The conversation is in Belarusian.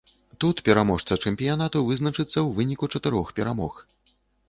Тут пераможца чэмпіянату вызначыцца ў выніку чатырох перамог.